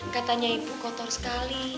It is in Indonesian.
katanya ibu kotor sekali